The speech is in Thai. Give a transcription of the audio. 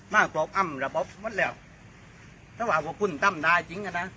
มากกว่าอ้ำระบอบหมดแล้วถ้าว่าคุณตั้มได้จริงอ่ะนะ